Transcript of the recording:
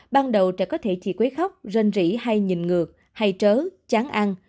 ban đầu trẻ có thể chỉ quấy khóc rênh rỉ hay nhìn ngược hay trớ chán ăn